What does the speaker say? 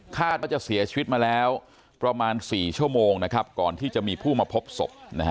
ว่าจะเสียชีวิตมาแล้วประมาณ๔ชั่วโมงก่อนที่จะมีผู้มาพบศพ